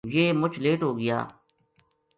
یہ مُچ لیٹ ہو گیا